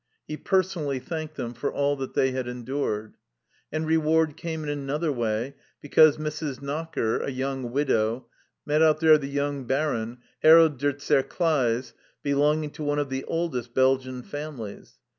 He per sonally thanked them for all they had endured. And reward came in another way, because Mrs. Knocker, a young widow, met out there the young Baron Harold de T'Serclaes belonging to one of the oldest Belgian families.